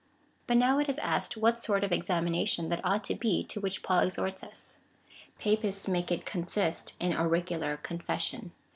But now it is asked, what sort of examination that ought to be to which Paul exhorts us. Papists make it consist in auricular confession.